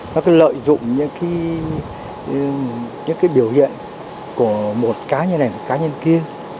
nó cứ lợi dụng những cái biểu hiện của một cá nhân này một cá nhân kia